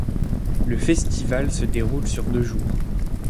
Le festival se déroule sur deux jours.